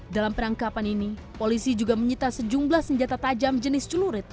dalam perangkapan ini polisi juga menyita sejumlah senjata tajam jenis celurit